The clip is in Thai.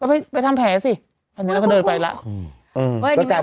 ไปไปทำแผลสิอันนี้เราก็เดินไปแล้ว